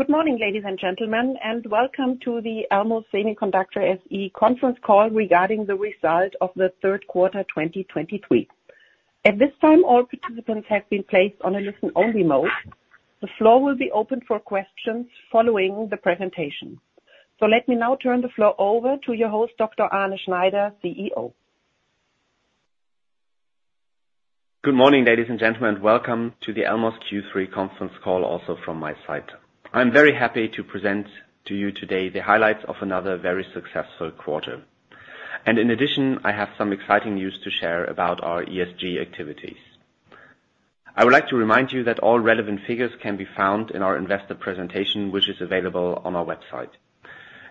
Good morning, ladies and gentlemen, and welcome to the Elmos Semiconductor SE conference call regarding the results of the third quarter 2023. At this time, all participants have been placed on a listen-only mode. The floor will be open for questions following the presentation. So let me now turn the floor over to your host, Dr. Arne Schneider, CEO. Good morning, ladies and gentlemen. Welcome to the Elmos Q3 conference call, also from my side. I'm very happy to present to you today the highlights of another very successful quarter. In addition, I have some exciting news to share about our ESG activities. I would like to remind you that all relevant figures can be found in our investor presentation, which is available on our website.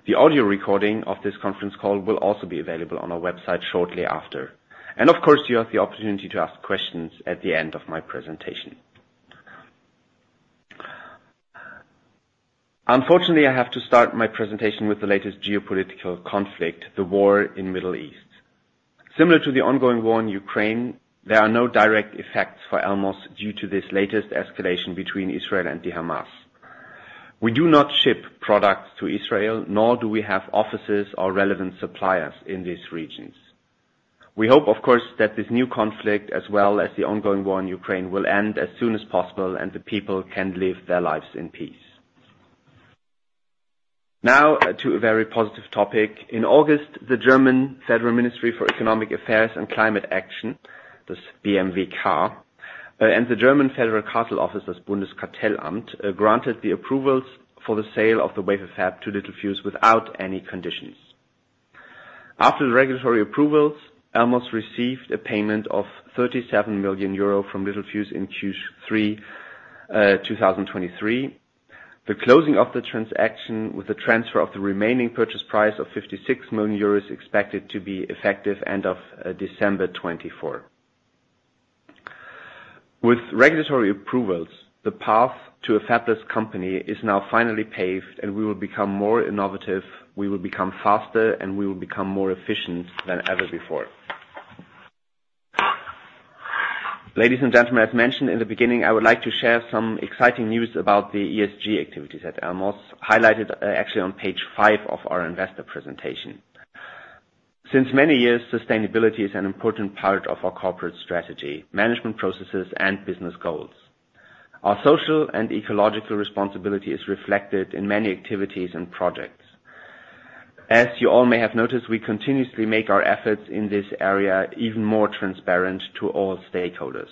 The audio recording of this conference call will also be available on our website shortly after, and of course, you have the opportunity to ask questions at the end of my presentation. Unfortunately, I have to start my presentation with the latest geopolitical conflict, the war in the Middle East. Similar to the ongoing war in Ukraine, there are no direct effects for Elmos due to this latest escalation between Israel and Hamas. We do not ship products to Israel, nor do we have offices or relevant suppliers in these regions. We hope, of course, that this new conflict, as well as the ongoing war in Ukraine, will end as soon as possible and the people can live their lives in peace. Now, to a very positive topic. In August, the German Federal Ministry for Economic Affairs and Climate Action, the BMWK, and the German Federal Cartel Office, Bundeskartellamt, granted the approvals for the sale of the wafer fab to Littelfuse without any conditions. After the regulatory approvals, Elmos received a payment of 37 million euro from Littelfuse in Q3 2023. The closing of the transaction, with the transfer of the remaining purchase price of 56 million euros, expected to be effective end of December 2024. With regulatory approvals, the path to a fabless company is now finally paved, and we will become more innovative, we will become faster, and we will become more efficient than ever before. Ladies and gentlemen, as mentioned in the beginning, I would like to share some exciting news about the ESG activities at Elmos, highlighted, actually on page five of our investor presentation. Since many years, sustainability is an important part of our corporate strategy, management processes, and business goals. Our social and ecological responsibility is reflected in many activities and projects. As you all may have noticed, we continuously make our efforts in this area even more transparent to all stakeholders.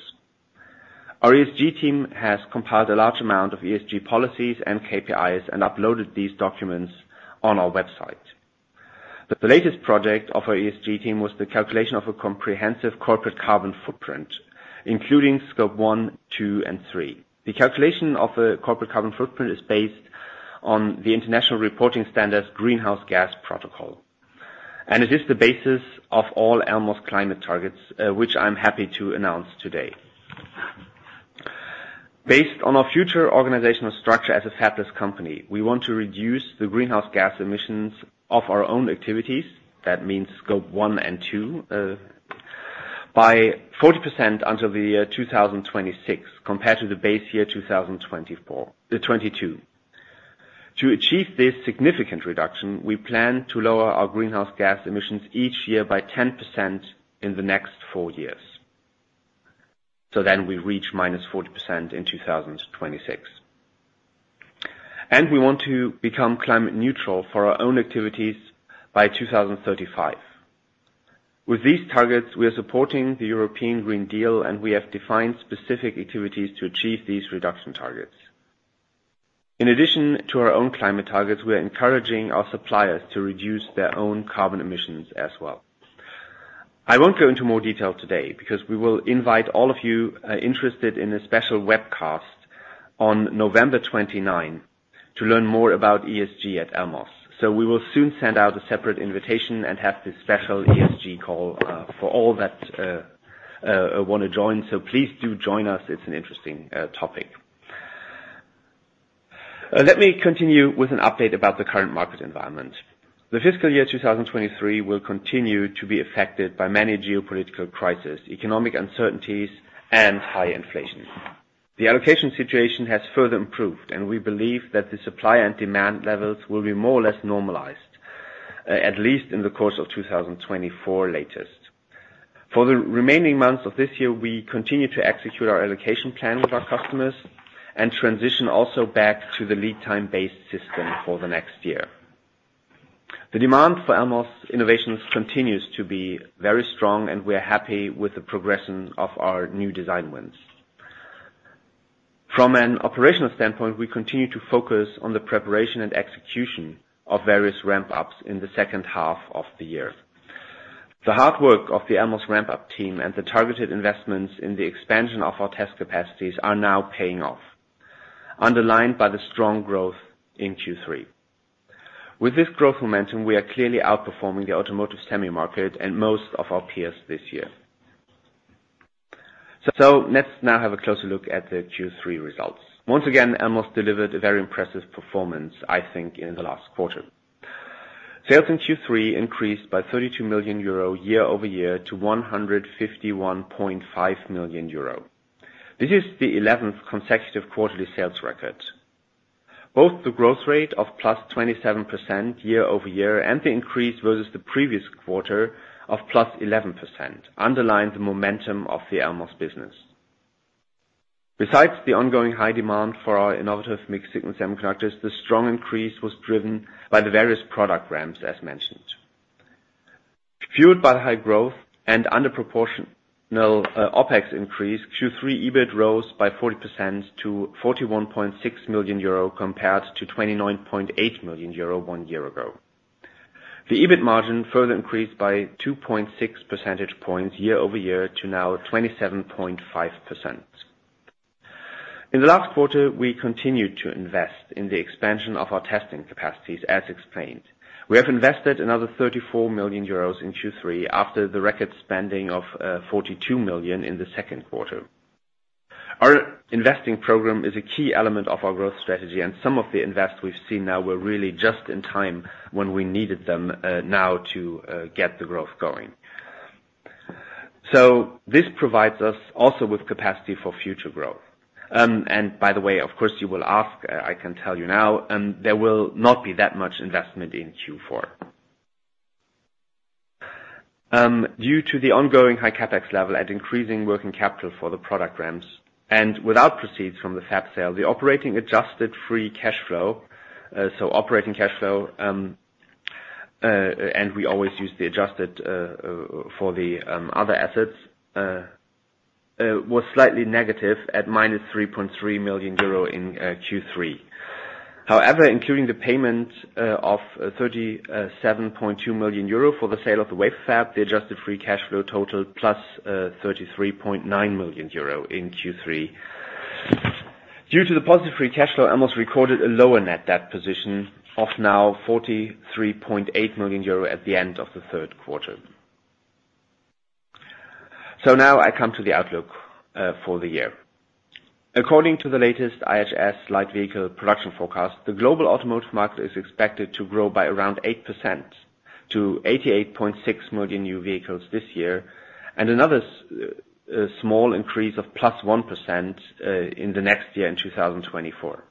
Our ESG team has compiled a large amount of ESG policies and KPIs and uploaded these documents on our website. The latest project of our ESG team was the calculation of a comprehensive corporate carbon footprint, including Scope 1, 2, and 3. The calculation of the corporate carbon footprint is based on the Greenhouse Gas Protocol, and it is the basis of all Elmos climate targets, which I'm happy to announce today. Based on our future organizational structure as a fabless company, we want to reduce the greenhouse gas emissions of our own activities, that means Scope 1 and 2, by 40% until the year 2026, compared to the base year 2022. To achieve this significant reduction, we plan to lower our greenhouse gas emissions each year by 10% in the next four years. So then we reach 40%- in 2026. And we want to become climate neutral for our own activities by 2035. With these targets, we are supporting the European Green Deal, and we have defined specific activities to achieve these reduction targets. In addition to our own climate targets, we are encouraging our suppliers to reduce their own carbon emissions as well. I won't go into more detail today, because we will invite all of you, interested in a special webcast on November 29 to learn more about ESG at Elmos. So we will soon send out a separate invitation and have this special ESG call, for all that want to join. So please do join us. It's an interesting topic. Let me continue with an update about the current market environment. The fiscal year 2023 will continue to be affected by many geopolitical crises, economic uncertainties, and high inflation. The allocation situation has further improved, and we believe that the supply and demand levels will be more or less normalized, at least in the course of 2024, latest. For the remaining months of this year, we continue to execute our allocation plan with our customers and transition also back to the lead time-based system for the next year. The demand for Elmos innovations continues to be very strong, and we are happy with the progression of our new design wins. From an operational standpoint, we continue to focus on the preparation and execution of various ramp-ups in the second half of the year. The hard work of the Elmos ramp-up team and the targeted investments in the expansion of our test capacities are now paying off, underlined by the strong growth in Q3. With this growth momentum, we are clearly outperforming the automotive semi market and most of our peers this year. So let's now have a closer look at the Q3 results. Once again, Elmos delivered a very impressive performance, I think, in the last quarter. Sales in Q3 increased by 32 million euro, year-over-year, to 151.5 million euro. This is the 11th consecutive quarterly sales record. Both the growth rate of 27%+ year-over-year, and the increase versus the previous quarter of 11%+, underline the momentum of the Elmos business. Besides the ongoing high demand for our innovative mixed signal semiconductors, the strong increase was driven by the various product ramps, as mentioned. Fueled by the high growth and under proportional, OpEx increase, Q3, EBIT rose by 40% to 41.6 million euro, compared to 29.8 million euro one year ago. The EBIT margin further increased by 2.6 percentage points year-over-year, to now 27.5%. In the last quarter, we continued to invest in the expansion of our testing capacities, as explained. We have invested another 34 million euros in Q3, after the record spending of, 42 million in the second quarter. Our investing program is a key element of our growth strategy, and some of the invest we've seen now, were really just in time when we needed them, now to, get the growth going. So this provides us also with capacity for future growth. And by the way, of course, you will ask. I can tell you now, there will not be that much investment in Q4. Due to the ongoing high CapEx level and increasing working capital for the product ramps, and without proceeds from the fab sale, the operating adjusted free cash flow, so operating cash flow, and we always use the adjusted, for the other assets, was slightly negative at -3.3 million euro in Q3. However, including the payment of 37.2 million euro for the sale of the wafer fab, the adjusted free cash flow total, plus 33.9 million euro in Q3. Due to the positive free cash flow, Elmos recorded a lower net debt position of now 43.8 million euro at the end of the third quarter. So now I come to the outlook for the year. According to the latest IHS Light Vehicle Production Forecast, the global automotive market is expected to grow by around 8% to 88.6 million new vehicles this year, and another small increase of 1%+ in the next year, in 2024.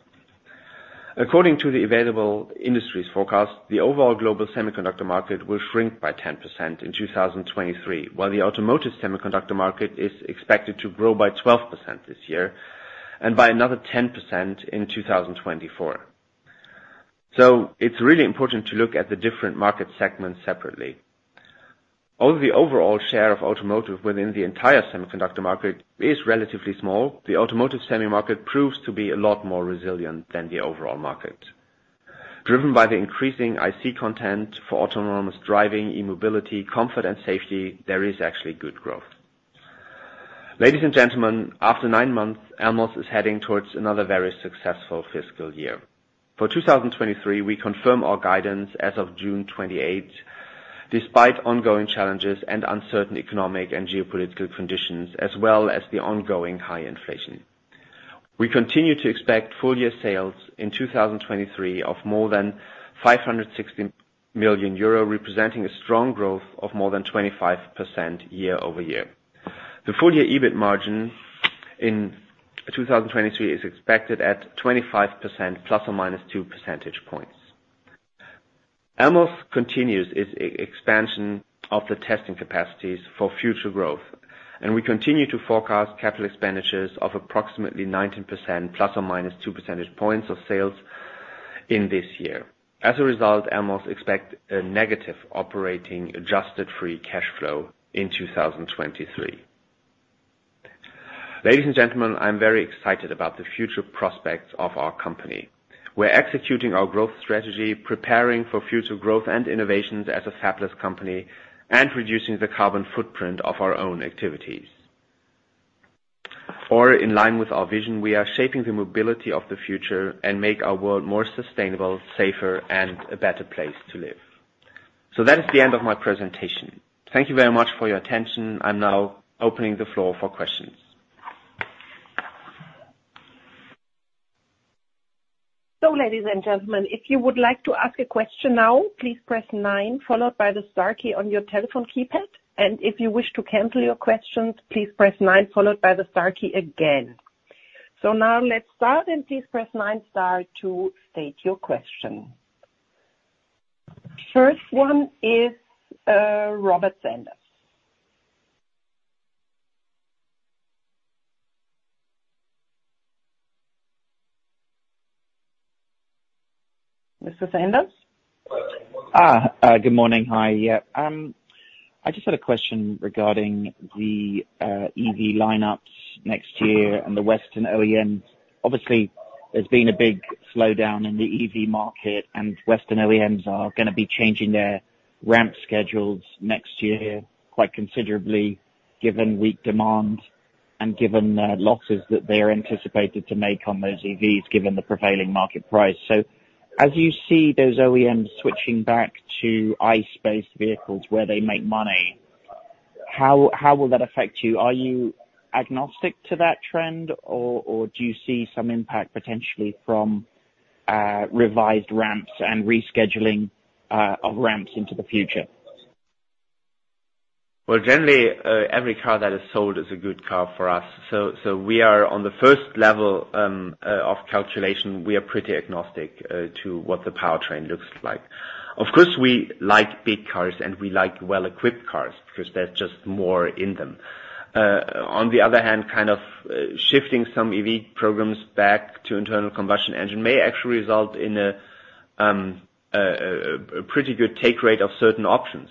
According to the available industries forecast, the overall global semiconductor market will shrink by 10% in 2023, while the automotive semiconductor market is expected to grow by 12% this year, and by another 10% in 2024. So it's really important to look at the different market segments separately. Although the overall share of automotive within the entire semiconductor market is relatively small, the automotive semiconductor market proves to be a lot more resilient than the overall market. Driven by the increasing IC content for autonomous driving, e-mobility, comfort, and safety, there is actually good growth. Ladies and gentlemen, after nine months, Elmos is heading towards another very successful fiscal year. For 2023, we confirm our guidance as of June 28, despite ongoing challenges and uncertain economic and geopolitical conditions, as well as the ongoing high inflation. We continue to expect full year sales in 2023 of more than 560 million euro, representing a strong growth of more than 25% year-over-year. The full year EBIT margin in 2023 is expected at 25%, plus or minus two percentage points. Elmos continues its expansion of the testing capacities for future growth, and we continue to forecast capital expenditures of approximately 19%, ±2 percentage points of sales in this year. As a result, Elmos expect a negative operating adjusted free cash flow in 2023. Ladies and gentlemen, I'm very excited about the future prospects of our company. We're executing our growth strategy, preparing for future growth and innovations as a fabless company, and reducing the carbon footprint of our own activities. Our in line with our vision, we are shaping the mobility of the future and make our world more sustainable, safer, and a better place to live. So that is the end of my presentation. Thank you very much for your attention. I'm now opening the floor for questions. So, ladies and gentlemen, if you would like to ask a question now, please press nine followed by the star key on your telephone keypad, and if you wish to cancel your questions, please press nine followed by the star key again. So now let's start, and please press nine star to state your question. First one is, Robert Sanders. Mr. Sanders? Good morning. Hi. Yeah, I just had a question regarding the EV lineups next year and the Western OEMs. Obviously, there's been a big slowdown in the EV market, and Western OEMs are gonna be changing their ramp schedules next year, quite considerably, given weak demand and given the losses that they are anticipated to make on those EVs, given the prevailing market price. So, as you see those OEMs switching back to ICE-based vehicles where they make money, how will that affect you? Are you agnostic to that trend, or do you see some impact potentially from revised ramps and rescheduling of ramps into the future? Well, generally, every car that is sold is a good car for us. So, we are on the first level of calculation, we are pretty agnostic to what the powertrain looks like. Of course, we like big cars, and we like well-equipped cars, because there's just more in them. On the other hand, kind of, shifting some EV programs back to internal combustion engine, may actually result in a pretty good take rate of certain options.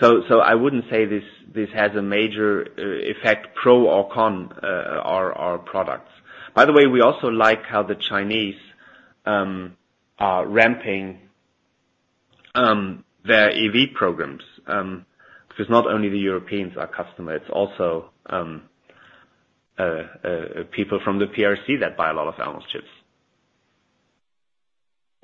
So, I wouldn't say this has a major effect, pro or con, on our products. By the way, we also like how the Chinese are ramping their EV programs. Because not only the Europeans are customer, it's also people from the PRC that buy a lot of Elmos chips.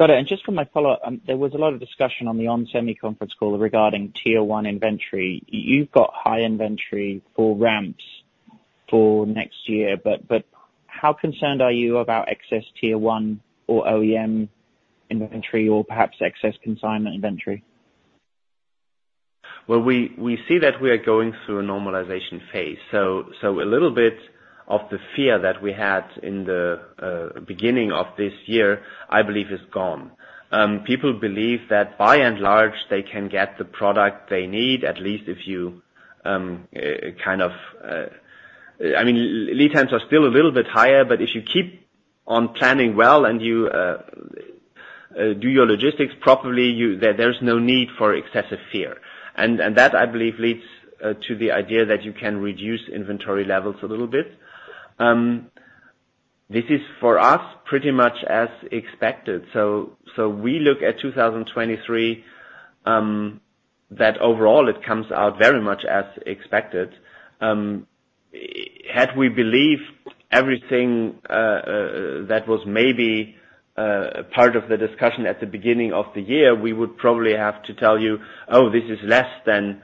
Got it, and just for my follow-up, there was a lot of discussion on the onsemi conference call regarding Tier 1 inventory. You've got high inventory for ramps for next year, but, but how concerned are you about excess Tier 1 or OEM inventory, or perhaps excess consignment inventory? Well, we see that we are going through a normalization phase. So, a little bit of the fear that we had in the beginning of this year, I believe, is gone. People believe that by and large, they can get the product they need, at least if you kind of—I mean, lead times are still a little bit higher, but if you keep on planning well, and you do your logistics properly, you—there, there's no need for excessive fear. And, that, I believe, leads to the idea that you can reduce inventory levels a little bit. This is, for us, pretty much as expected. So, we look at 2023, that overall it comes out very much as expected. Had we believed everything that was maybe part of the discussion at the beginning of the year, we would probably have to tell you, "Oh, this is less than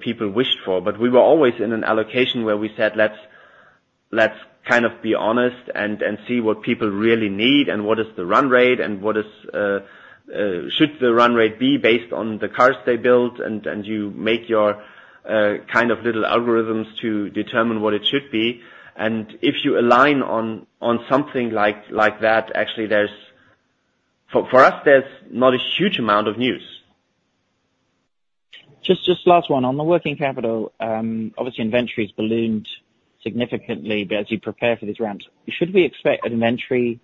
people wished for." But we were always in an allocation, where we said, "Let's kind of be honest and see what people really need, and what is the run rate, and what should the run rate be based on the cars they build?" And you make your kind of little algorithms to determine what it should be. And if you align on something like that, actually, for us, there's not a huge amount of news. Just, just last one. On the working capital, obviously, inventory's ballooned significantly as you prepare for these ramps. Should we expect inventory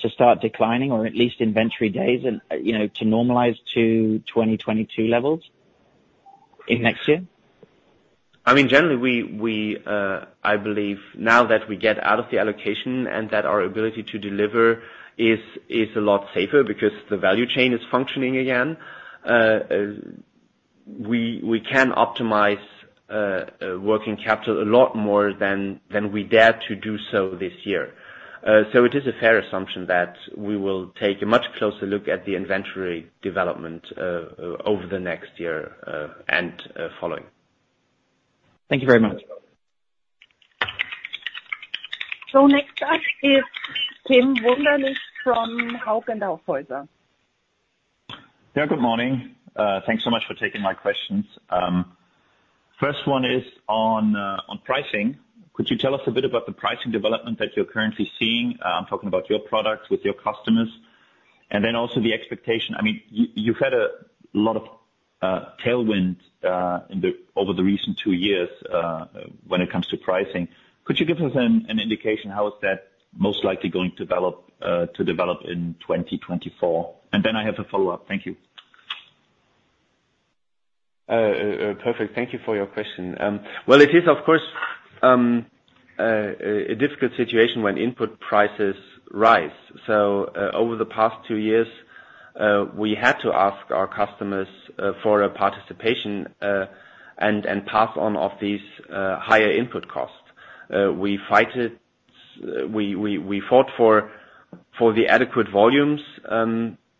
to start declining, or at least inventory days and, you know, to normalize to 2022 levels in next year? I mean, generally, I believe now that we get out of the allocation and that our ability to deliver is a lot safer, because the value chain is functioning again, we can optimize working capital a lot more than we dared to do so this year. So it is a fair assumption that we will take a much closer look at the inventory development over the next year, and following. Thank you very much. Next up is Tim Wunderlich from Hauck & Aufhäuser. Yeah, good morning. Thanks so much for taking my questions. First one is on pricing. Could you tell us a bit about the pricing development that you're currently seeing? I'm talking about your products with your customers, and then also the expectation. I mean, you've had a lot of tailwind over the recent two years when it comes to pricing. Could you give us an indication how that is most likely going to develop in 2024? And then I have a follow-up. Thank you. Perfect. Thank you for your question. Well, it is, of course, a difficult situation when input prices rise. So, over the past two years, we had to ask our customers for a participation and pass on of these higher input costs. We fought for the adequate volumes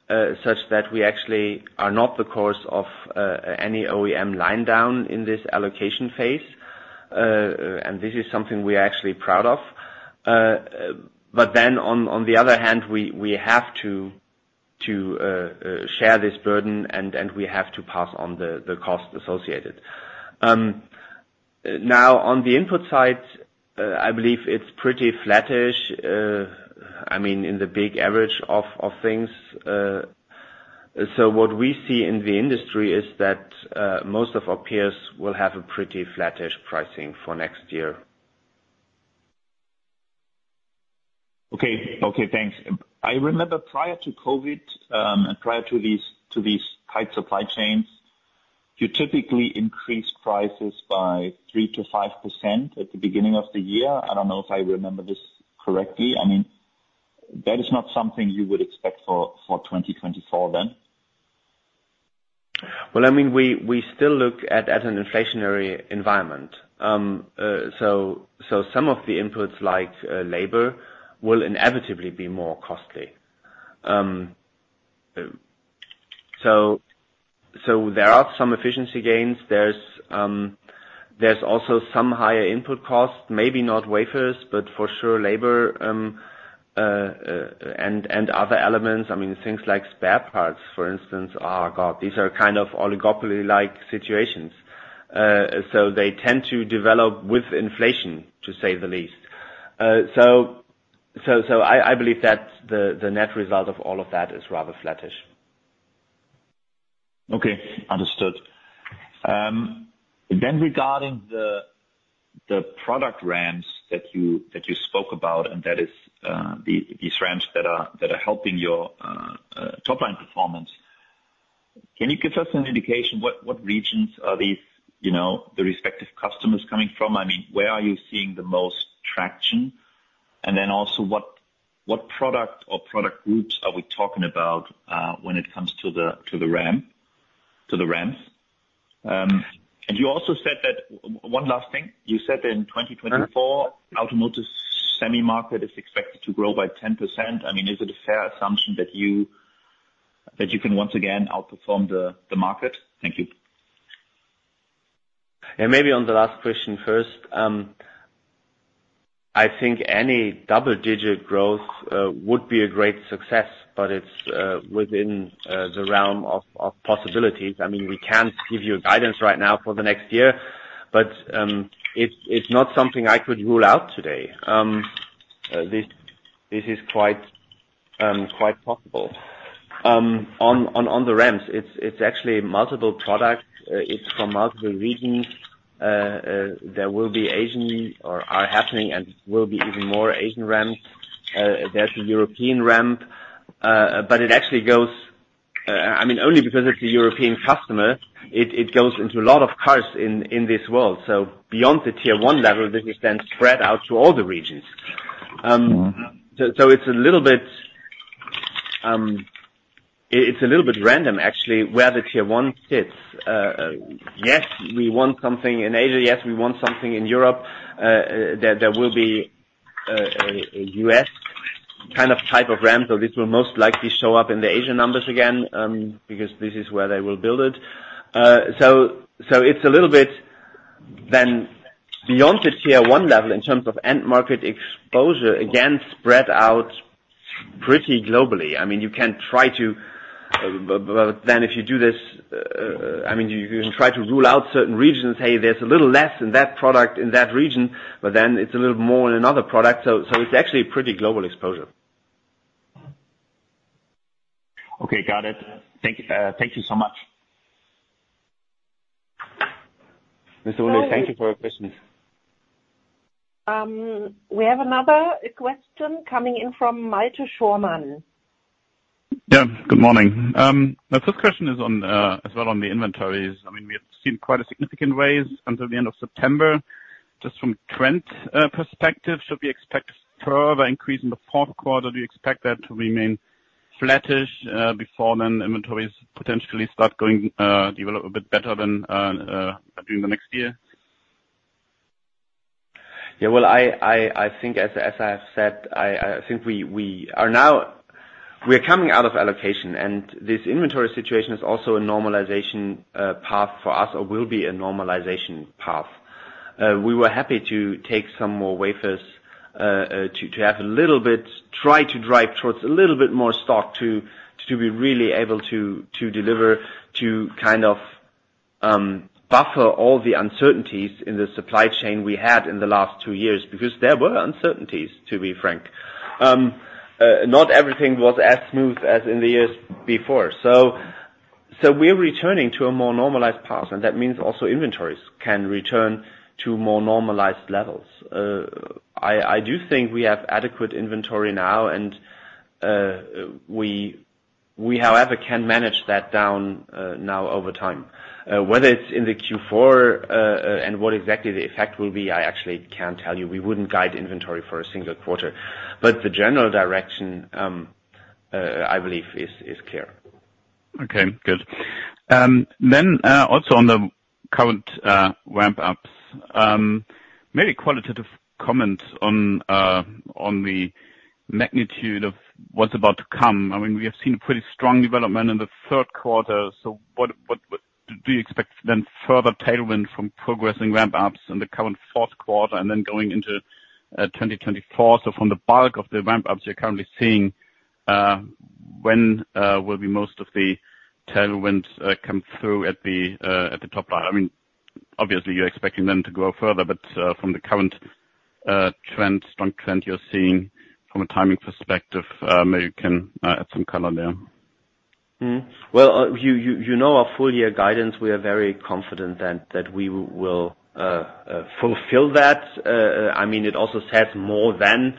such that we actually are not the cause of any OEM line down in this allocation phase. And this is something we are actually proud of. But then on the other hand, we have to share this burden, and we have to pass on the cost associated. Now, on the input side, I believe it's pretty flattish, I mean, in the big average of things. So what we see in the industry is that most of our peers will have a pretty flattish pricing for next year. Okay. Okay, thanks. I remember prior to COVID, and prior to these tight supply chains, you typically increased prices by 3%-5% at the beginning of the year. I don't know if I remember this correctly. I mean, that is not something you would expect for 2024 then? Well, I mean, we still look at an inflationary environment. So some of the inputs, like, labor, will inevitably be more costly. So there are some efficiency gains. There's also some higher input costs, maybe not wafers, but for sure, labor, and other elements. I mean, things like spare parts, for instance, are, God, these are kind of oligopoly-like situations. So they tend to develop with inflation, to say the least. So I believe that the net result of all of that is rather flattish. Okay, understood. Then regarding the product ramps that you spoke about, and that is, these ramps that are helping your top line performance. Can you give us an indication what regions are these, you know, the respective customers coming from? I mean, where are you seeing the most traction? And then also, what product or product groups are we talking about, when it comes to the ramp, to the ramps? And you also said that—one last thing, you said in 2024- Uh-huh. The automotive semi-market is expected to grow by 10%. I mean, is it a fair assumption that you can once again outperform the market? Thank you. Maybe on the last question first. I think any double digit growth would be a great success, but it's within the realm of possibilities. I mean, we can't give you a guidance right now for the next year, but it's not something I could rule out today. This is quite possible. On the ramps, it's actually multiple products. It's from multiple regions. There will be Asian or are happening and will be even more Asian ramps. There's a European ramp, but it actually goes, I mean, only because it's a European customer, it goes into a lot of cars in this world. So beyond the tier 1 level, this is then spread out to all the regions. Mm-hmm. So, so it's a little bit random, actually, where the Tier 1 sits. Yes, we want something in Asia, yes, we want something in Europe. There will be a US kind of type of ramp, so this will most likely show up in the Asia numbers again, because this is where they will build it. So, so it's a little bit then, beyond the Tier 1 level, in terms of end market exposure, again, spread out pretty globally. I mean, you can try to but then if you do this, I mean, you can try to rule out certain regions. Hey, there's a little less in that product in that region, but then it's a little more in another product. So, so it's actually a pretty global exposure. Okay, got it. Thank you so much. Mr. Wunderlich, thank you for your questions. We have another question coming in from Malte Schaumann. Yeah, good morning. My first question is on, as well on the inventories. I mean, we have seen quite a significant raise until the end of September. Just from trend perspective, should we expect further increase in the fourth quarter? Do you expect that to remain flattish before then inventories potentially start going develop a bit better than during the next year? Yeah, well, I think as I have said, I think we are now coming out of allocation, and this inventory situation is also a normalization path for us or will be a normalization path. We were happy to take some more wafers to have a little bit, try to drive towards a little bit more stock to be really able to deliver, to kind of buffer all the uncertainties in the supply chain we had in the last two years, because there were uncertainties, to be frank. Not everything was as smooth as in the years before. So we're returning to a more normalized path, and that means also inventories can return to more normalized levels. I do think we have adequate inventory now, and we, however, can manage that down now over time. Whether it's in the Q4, and what exactly the effect will be, I actually can't tell you. We wouldn't guide inventory for a single quarter, but the general direction, I believe is clear. Okay, good. Then, also on the current ramp ups, maybe qualitative comments on the magnitude of what's about to come. I mean, we have seen a pretty strong development in the third quarter, so what do you expect then further tailwind from progressing ramp ups in the current fourth quarter and then going into 2024? So from the bulk of the ramp ups you're currently seeing, when will most of the tailwinds come through at the top line? I mean, obviously, you're expecting them to grow further, but from the current trends, strong trend you're seeing from a timing perspective, maybe you can add some color there. Well, you know, our full year guidance, we are very confident that we will fulfill that. I mean, it also says more than,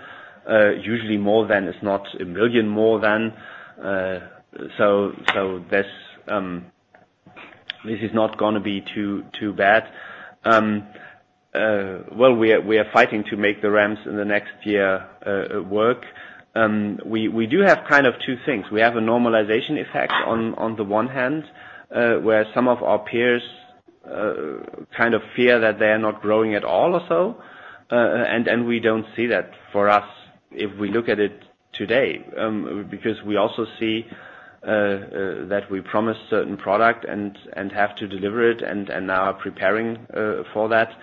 usually more than, it's not a million more than. So this is not gonna be too, too bad. Well, we are fighting to make the ramps in the next year work. We do have kind of two things. We have a normalization effect on the one hand, where some of our peers kind of fear that they are not growing at all or so. And we don't see that for us if we look at it today, because we also see that we promise certain product and have to deliver it, and now are preparing for that.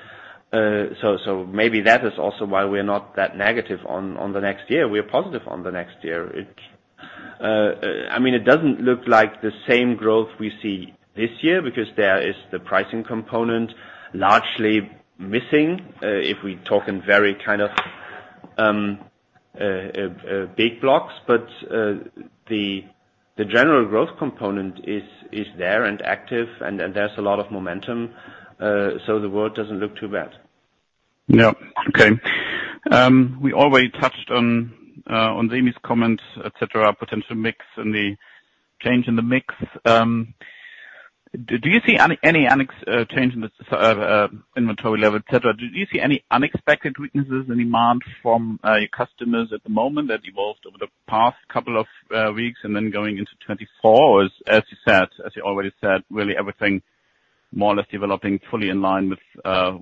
So maybe that is also why we are not that negative on the next year. We are positive on the next year. It, I mean, it doesn't look like the same growth we see this year, because there is the pricing component largely missing, if we talk in very kind of big blocks. But the general growth component is there and active, and there's a lot of momentum, so the world doesn't look too bad. Yeah. Okay. We already touched on Amy's comments, et cetera, potential mix and the change in the mix. Do you see any index change in the inventory level, et cetera? Do you see any unexpected weaknesses in demand from your customers at the moment that evolved over the past couple of weeks and then going into 2024? Or as you said, as you already said, really everything more or less developing fully in line with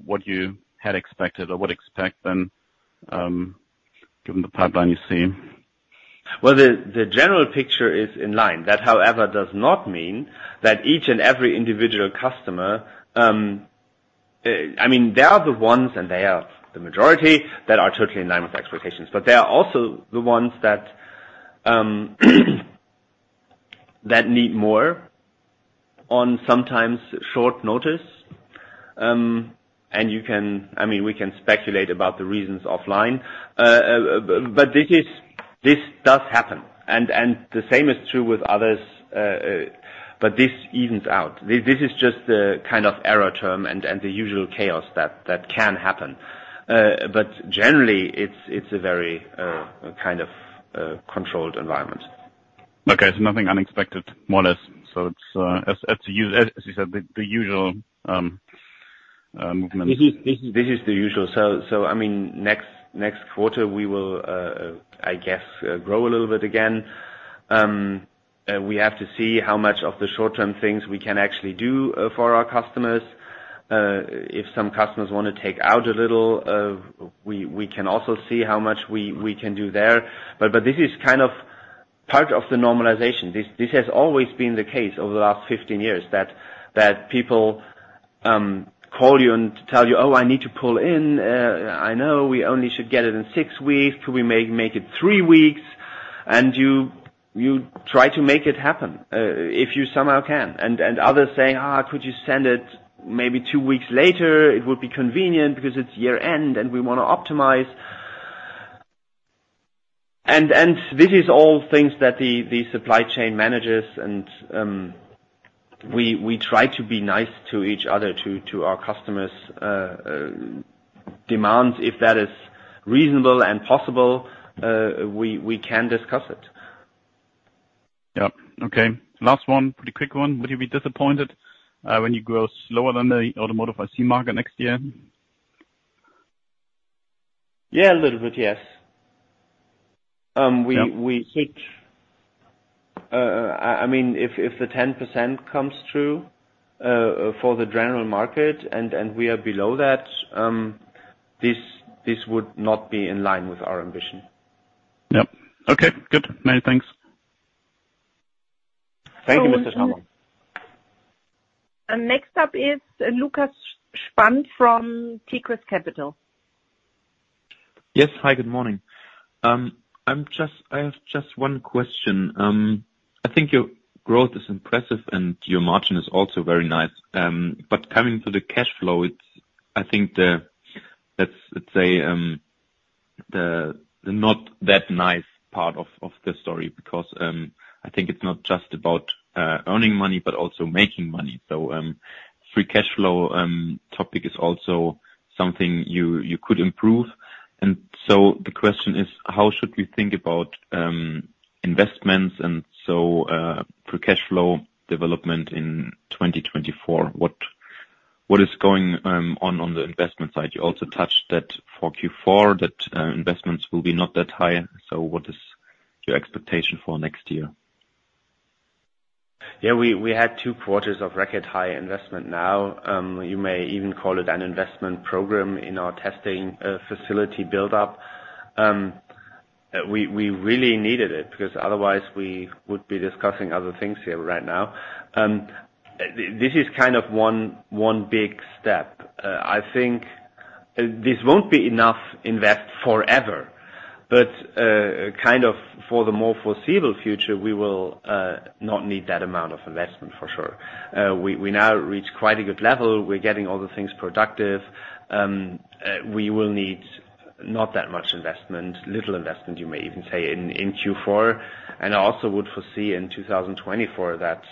what you had expected or would expect then, given the pipeline you see. Well, the general picture is in line. That, however, does not mean that each and every individual customer -- I mean, they are the ones, and they are the majority, that are totally in line with expectations. But they are also the ones that need more on sometimes short notice. And I mean, we can speculate about the reasons offline. But this does happen, and the same is true with others, but this evens out. This is just the kind of error term and the usual chaos that can happen. But generally, it's a very kind of controlled environment. Okay. So nothing unexpected, more or less. So it's, as you said, the usual movement. This is the usual. So, I mean, next quarter, we will, I guess, grow a little bit again. We have to see how much of the short-term things we can actually do for our customers. If some customers wanna take out a little, we can also see how much we can do there. But this is kind of part of the normalization. This has always been the case over the last 15 years, that people call you and tell you, "Oh, I need to pull in. I know we only should get it in 6 weeks. Could we make it 3 weeks?" And you try to make it happen, if you somehow can. And others saying, "Ah, could you send it maybe 2 weeks later? It would be convenient because it's year-end, and we wanna optimize. This is all things that the supply chain manages, and we try to be nice to each other, to our customers' demands. If that is reasonable and possible, we can discuss it. Yeah. Okay. Last one, pretty quick one. Would you be disappointed when you grow slower than the automotive IC market next year? Yeah, a little bit, yes. Yeah. We think, I mean, if the 10% comes true for the general market and we are below that, this would not be in line with our ambition. Yep. Okay, good. Many thanks. Thank you, Mr. Schormann. Next up is Lukas Spang from Tigris Capital. Yes. Hi, good morning. I'm just- I have just one question. I think your growth is impressive, and your margin is also very nice. But coming to the cash flow, it's- I think the, let's, let's say, the, the not that nice part of, of the story. Because, I think it's not just about, earning money, but also making money. So, free cash flow, topic is also something you, you could improve. And so the question is: How should we think about, investments and so, free cash flow development in 2024? What, what is going, on, on the investment side? You also touched that for Q4, that, investments will be not that high, so what is your expectation for next year? Yeah, we had two quarters of record-high investment now. You may even call it an investment program in our testing facility build-up. We really needed it, because otherwise, we would be discussing other things here right now. This is kind of one big step. I think this won't be enough invest forever, but kind of for the more foreseeable future, we will not need that amount of investment, for sure. We now reach quite a good level. We're getting all the things productive. We will need not that much investment, little investment, you may even say, in Q4. And I also would foresee in 2024 that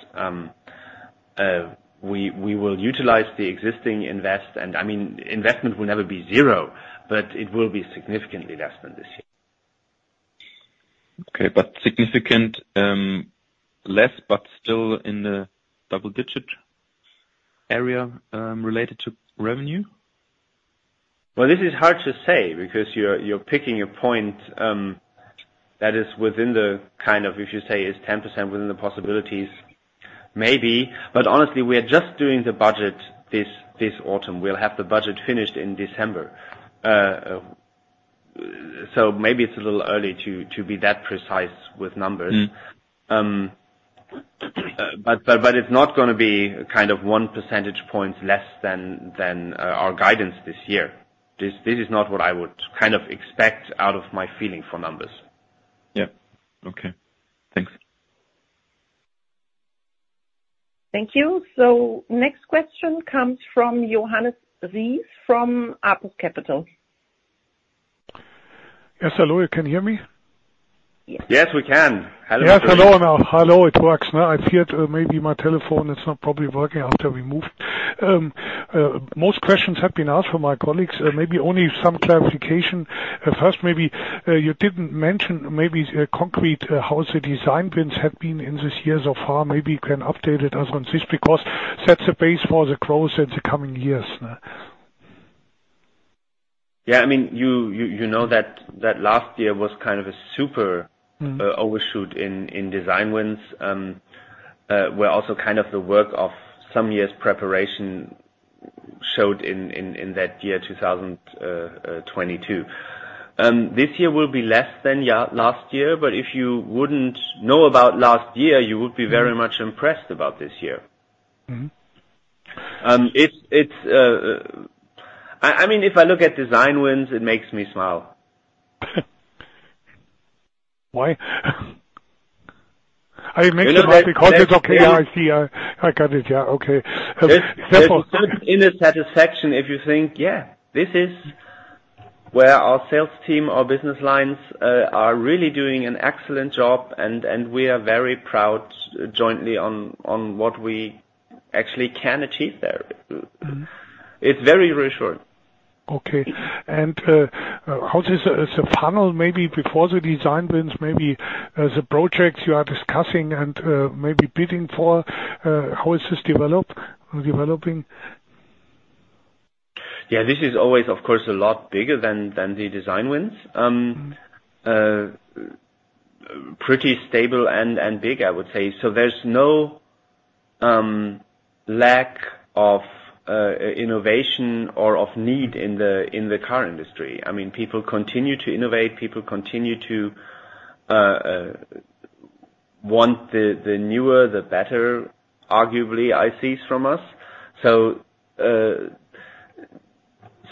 we will utilize the existing invest. I mean, investment will never be zero, but it will be significantly less than this year. Okay, but significant, less, but still in the double-digit area, related to revenue?... Well, this is hard to say, because you're picking a point that is within the kind of, if you say, is 10% within the possibilities, maybe. But honestly, we are just doing the budget this autumn. We'll have the budget finished in December. So maybe it's a little early to be that precise with numbers. Mm. But it's not gonna be kind of one percentage point less than our guidance this year. This is not what I would kind of expect out of my feeling for numbers. Yeah. Okay, thanks. Thank you. Next question comes from Johannes Ries from Apus Capital. Yes, hello, you can hear me? Yes, we can. Hello. Yes, hello now. Hello, it works now. I feared maybe my telephone, it's not probably working after we moved. Most questions have been asked from my colleagues, maybe only some clarification. First, maybe, you didn't mention maybe, concrete, how the design wins have been in this year so far. Maybe you can update us on this, because sets the base for the growth in the coming years. Yeah, I mean, you know that last year was kind of a super- Mm... overshoot in design wins. Where also kind of the work of some years preparation showed in that year, 2022. This year will be less than last year, but if you wouldn't know about last year, you would be very much impressed about this year. Mm-hmm. It's, I mean, if I look at design wins, it makes me smile. Why? I make me smile because it's okay. Yeah, I see, I got it. Yeah, okay. It's inner satisfaction if you think: Yeah, this is where our sales team, our business lines, are really doing an excellent job, and we are very proud jointly on what we actually can achieve there. Mm-hmm. It's very reassuring. Okay. How does the funnel, maybe before the design wins, maybe, the projects you are discussing and, maybe bidding for, how is this developing? Yeah, this is always, of course, a lot bigger than the design wins. Pretty stable and big, I would say. So there's no lack of innovation or of need in the car industry. I mean, people continue to innovate, people continue to want the newer, the better, arguably, I see from us. So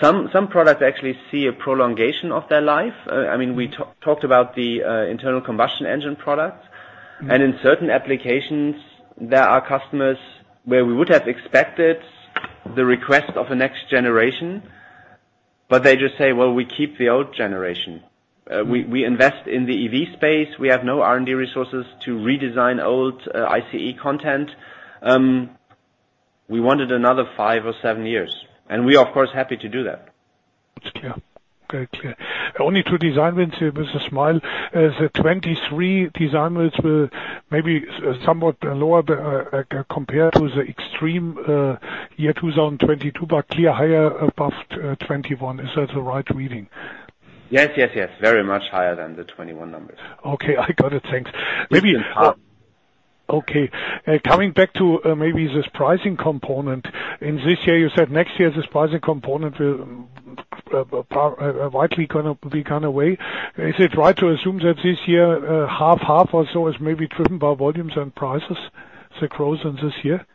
some products actually see a prolongation of their life. I mean, we talked about the internal combustion engine product. Mm. In certain applications, there are customers where we would have expected the request of the next generation, but they just say: "Well, we keep the old generation. We invest in the EV space. We have no R&D resources to redesign old ICE content. We wanted another five or seven years." And we are, of course, happy to do that. It's clear. Very clear. Only to Design Wins with a smile, the 23 Design Wins will maybe somewhat lower compared to the extreme year 2022, but clear higher above 21. Is that the right reading? Yes, yes, yes. Very much higher than the 21 numbers. Okay, I got it. Thanks. Mm-hmm. Maybe... Okay, coming back to maybe this pricing component. In this year, you said next year, this pricing component will partly be gone away. Is it right to assume that this year, half or so is maybe driven by volumes and prices, the growth in this year?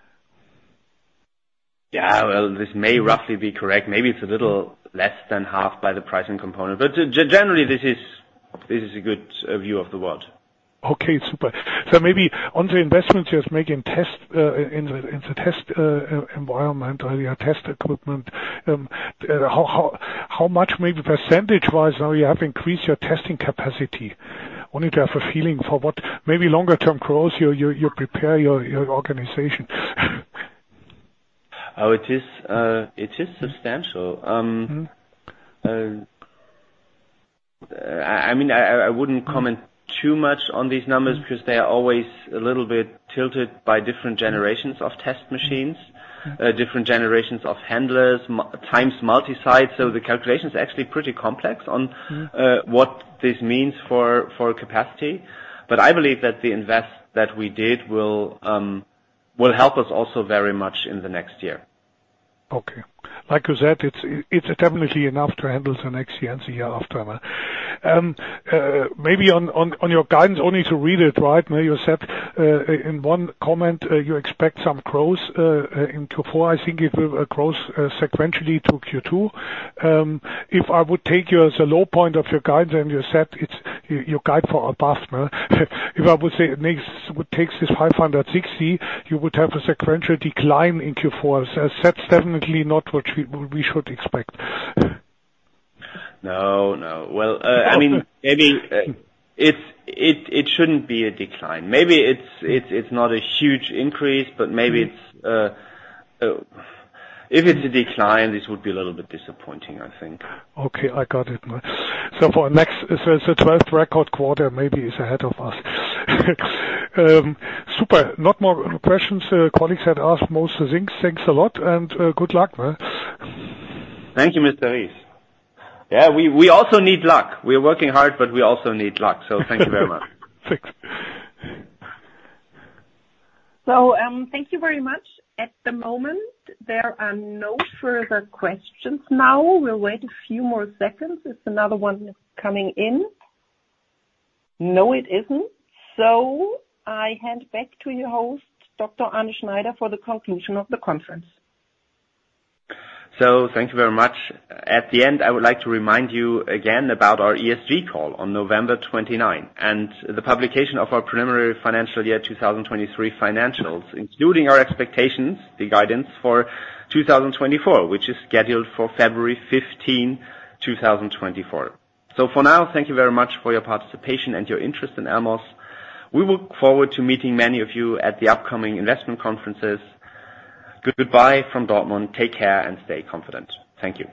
Yeah, well, this may roughly be correct. Maybe it's a little less than half by the pricing component, but generally, this is, this is a good view of the world. Okay, super. So maybe on the investments you're making test in the test environment or your test equipment, how much, maybe percentage-wise, now you have increased your testing capacity? Only to have a feeling for what maybe longer-term growth you prepare your organization. Oh, it is, it is substantial. Mm-hmm. I mean, I wouldn't comment- Mm... too much on these numbers- Mm because they are always a little bit tilted by different generations of test machines. Mm. Different generations of handlers, times multi-site. So the calculation is actually pretty complex on- Mm What this means for capacity. But I believe that the invest that we did will help us also very much in the next year. Okay. Like you said, it's definitely enough to handle the next year and the year after. Maybe on your guidance, only to read it right now, you said in one comment you expect some growth in Q4. I think it will grow sequentially to Q2. If I would take you as a low point of your guide, then you said you guide for above. If I would say next what takes this 560, you would have a sequential decline in Q4. So that's definitely not what we should expect. No, no. Well, I mean, maybe it shouldn't be a decline. Maybe it's not a huge increase, but maybe it's... If it's a decline, this would be a little bit disappointing, I think. Okay, I got it. So for next, 12th record quarter, maybe is ahead of us. Super. Lot more questions, colleagues had asked most things. Thanks a lot, and good luck. Thank you, Mr. Ries. Yeah, we also need luck. We are working hard, but we also need luck, so thank you very much. Thanks. So, thank you very much. At the moment, there are no further questions now. We'll wait a few more seconds. If another one is coming in. No, it isn't. So I hand back to your host, Dr. Arne Schneider, for the conclusion of the conference. So thank you very much. At the end, I would like to remind you again about our ESG call on November 29, and the publication of our preliminary financial year 2023 financials, including our expectations, the guidance for 2024, which is scheduled for February 15, 2024. So for now, thank you very much for your participation and your interest in Elmos. We look forward to meeting many of you at the upcoming investment conferences. Goodbye from Dortmund. Take care and stay confident. Thank you.